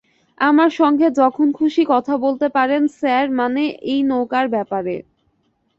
আমার সঙ্গে যখন খুশি কথা বলতে পারেন, স্যার, মানে এই নৌকার ব্যাপারে।